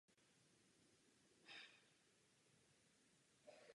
Činoherní režii se věnoval opakovaně i na scéně vinohradského divadla.